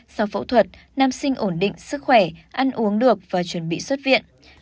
sau phẫu thuật nam sinh ổn định sức khỏe ăn uống được và chuẩn bị xuất viện